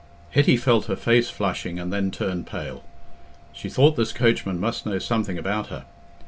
Hetty felt her face flushing and then turning pale. She thought this coachman must know something about her.